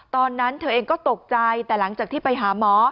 ตอนนั้นเธอเองก็ตกใจแต่หลังจากที่ไปหาหมอ